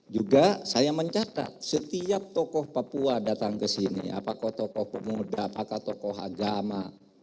juga saya mencatat setiap tokoh papua datang ke sini apakah tokoh pemuda apakah tokoh agama